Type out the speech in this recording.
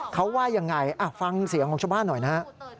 เขาว่ายังไงฟังเสียงของชาวบ้านหน่อยนะฮะ